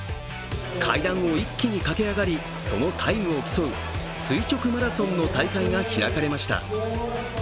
階段を一気に駆け上がりそのタイムを競う垂直マラソンの大会が開かれました。